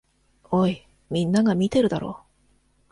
おい、みんなが見てるだろ。